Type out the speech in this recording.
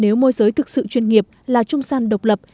nếu môi giới thực sự chuyên nghiệp là trung gian độc lập